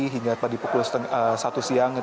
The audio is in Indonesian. hingga tadi pukul satu siang